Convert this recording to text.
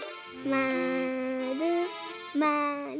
まるまる。